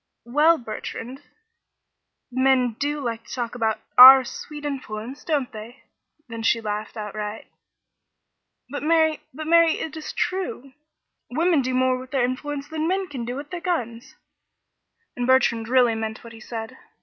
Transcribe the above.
"Well, Bertrand? Men do like to talk about our 'sweet influence,' don't they?" Then she laughed outright. "But, Mary but, Mary, it is true. Women do more with their influence than men can do with their guns," and Bertrand really meant what he said.